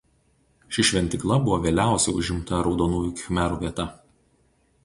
Ši šventykla buvo vėliausiai užimta Raudonųjų khmerų vieta.